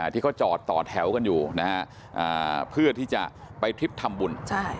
ที่เขาจอดต่อแถวกันอยู่นะฮะเพื่อที่จะไปทริปทำบุญ